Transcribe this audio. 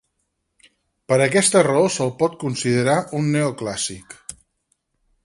Per aquesta raó se'l pot considerar un neoclàssic.